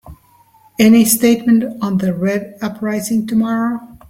Any statement on the Red uprising tomorrow?